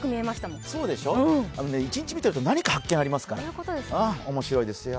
もん一日見ていると、何か発見がありますから、面白いですよ。